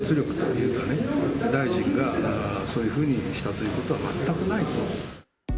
政治的な圧力というか、大臣がそういうふうにしたということは全くないと。